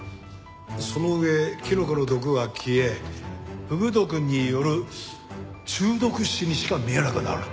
その上キノコの毒は消えフグ毒による中毒死にしか見えなくなる。